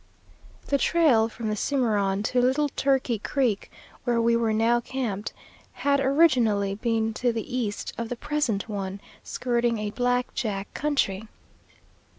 The trail from the Cimarron to Little Turkey Creek, where we were now camped, had originally been to the east of the present one, skirting a black jack country.